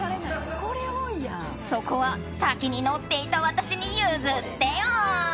そこは先に乗っていた私に譲ってよ！